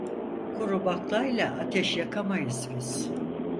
Kuru baklayla ateş yakamayız biz!